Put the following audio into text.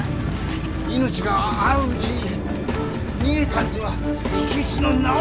命があるうちに逃げたんでは火消しの名折れだ！